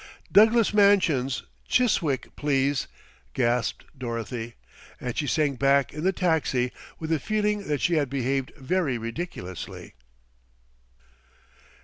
"Douglas Mansions, Chiswick, please," gasped Dorothy, and she sank back in the taxi with a feeling that she had behaved very ridiculously.